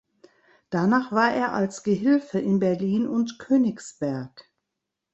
Danach war er als Gehilfe in Berlin und Königsberg.